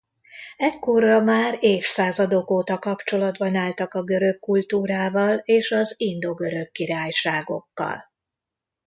Ekkorra már évszázadok óta kapcsolatban álltak a görög kultúrával és az indo-görög királyságokkal.